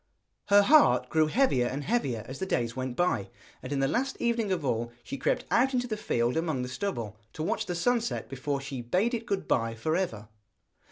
Her heart grew heavier and heavier as the days went by, and in the last evening of all she crept out into the field among the stubble, to watch the sun set before she bade it good bye for ever.